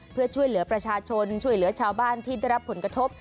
เพื่อช่วยเหลือประชาชนช่วยเหลือชาวบ้านที่ได้รับผลกระทบ